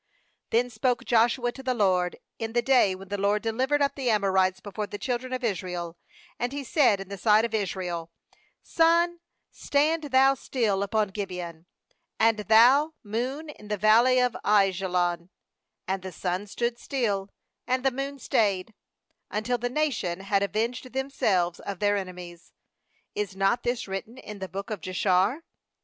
^Then spoke Joshua to the LORD ha the day when the LORD delivered up the Amorites before the children of Israel; and he said hi the sight of Israel: 'Sun, stand thou still upon Gibeon; And thou, Moon, in the valley of Aijalon/ 13And the sun stood still, and the moon stayed, Until the nation had avenged them selves of their enemies. Is not this written in the book of Jashar?